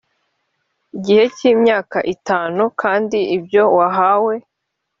gihe cy imyaka itanu kandi ibyo wahawe